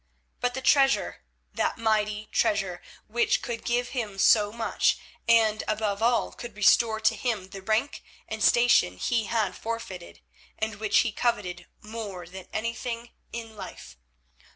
But the treasure, that mighty treasure, which could give him so much, and, above all, could restore to him the rank and station he had forfeited, and which he coveted more than anything in life.